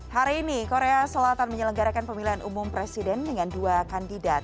hari ini korea selatan menyelenggarakan pemilihan umum presiden dengan dua kandidat